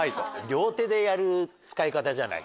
両手でやる使い方じゃない？